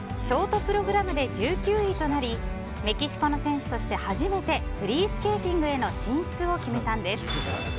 ショートプログラムで１９位となりメキシコの選手として初めてフリースケーティングへの進出を決めたんです。